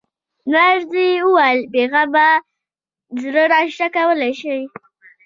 نرسې وویل: په بې غمه زړه ناشته کولای شئ.